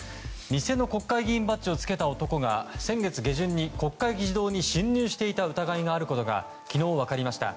偽の国会議員バッジを着けた男が先月下旬に国会議事堂に侵入していた疑いがあることが昨日、分かりました。